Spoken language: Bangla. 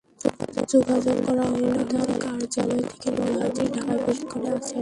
যোগাযোগ করা হলে তাঁর কার্যালয় থেকে বলা হয়, তিনি ঢাকায় প্রশিক্ষণে আছেন।